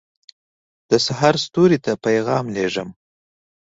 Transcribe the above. دسحرستوري ته پیغام لېږم